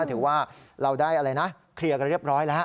ถือว่าเราได้อะไรนะเคลียร์กันเรียบร้อยแล้ว